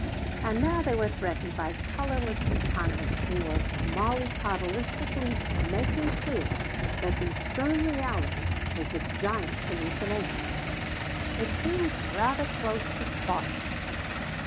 And now they were threatened by colorless economists who were mollycoddelistically making clear that the "stern reality" was the giant hallucination. It seemed rather close to farce.